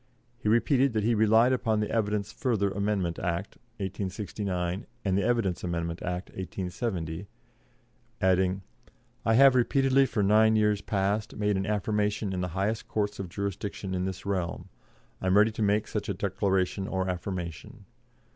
He repeated that he relied upon the Evidence Further Amendment Act, 1869, and the Evidence Amendment Act, 1870, adding: 'I have repeatedly, for nine years past, made an affirmation in the highest courts of jurisdiction in this realm. I am ready to make such a declaration or affirmation.'